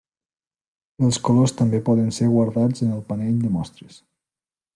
Els colors també poden ser guardats en el panell de mostres.